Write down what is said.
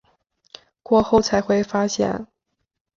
过后才会发现